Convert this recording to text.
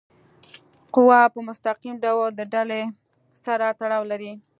قوه په مستقیم ډول د ډلي سره تړاو لري.